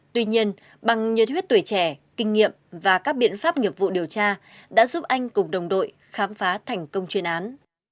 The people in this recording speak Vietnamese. tuy nhiên bằng nhiệt huyết tuổi trẻ kinh nghiệm và các biện pháp nghiệp vụ điều tra đã giúp anh cùng đồng đội khám phá thành công chuyên án